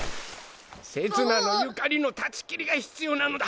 せつなの所縁の断ち切りが必要なのだ！！